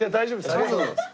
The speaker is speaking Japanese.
ありがとうございます。